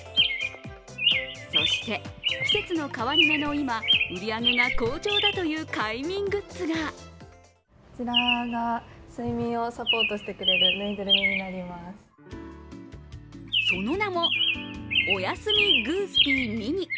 そして、季節の変わり目の今、売り上げが好調だという快眠グッズがその名も、おやすみグースピーミニ。